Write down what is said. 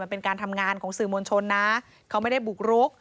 เป็นการทำงานของสื่อมวลชนนะเขาไม่ได้บุกรุก